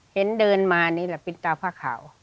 เห็นเดินมานี่แหละเป็นตาผ้าขาว